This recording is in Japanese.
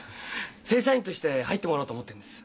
正社員として入ってもらおうと思ってるんです。